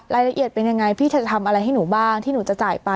รายละเอียดเป็นยังไงพี่จะทำอะไรให้หนูบ้างที่หนูจะจ่ายไป